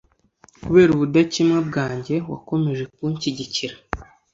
kubera ubudakemwa bwanjye wakomeje kunshyigikira